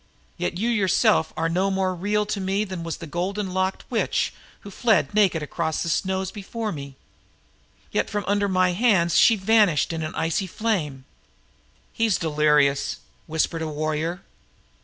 "Yet you yourself are no more real to me than was the golden haired witch who fled naked across the snows before me. Yet from my very hands she vanished in icy flame." "He is delirious," whispered a warrior.